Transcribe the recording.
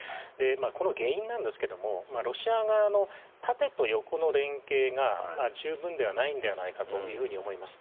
この原因ですがロシア側の縦と横の連携が十分ではないのではないかと思います。